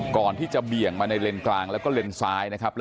เบี่ยงมาในเลนกลางแล้วก็เลนซ้ายนะครับ